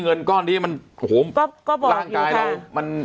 เงินก้อนนี้มันโอ้โหร่างกายเรามัน